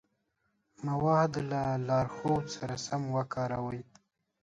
مواد له لارښود سره سم وکاروئ.